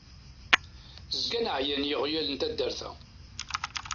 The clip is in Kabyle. Zgan εyan yiɣyal n taddart-a.